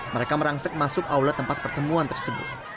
mereka merangsek masuk aula tempat pertemuan tersebut